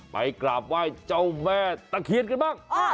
ไปกราบไหว้เจ้าแม่ตะเคียนกันบ้าง